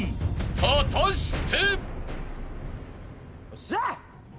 ［果たして］